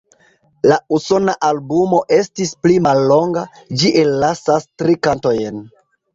La Usona albumo estis pli mallonga; ĝi ellasas tri kantojn.